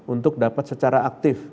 untuk dapat secara aktif